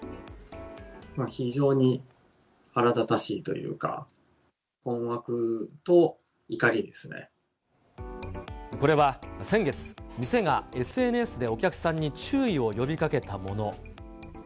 非常に腹立たしいというか、これは先月、店がＳＮＳでお客さんに注意を呼びかけたもの。